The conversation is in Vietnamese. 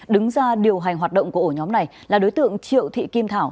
đứng ra điều hành hoạt động của ổ nhóm này là đối tượng triệu thị kim thảo